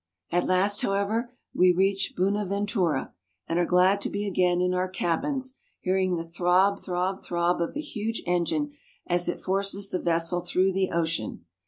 At last, however, we reach Buenaventura, and are glad to be again in our cabins, hearing the throb, throb, throb of the huge engine as it forces the vessel through the ocean.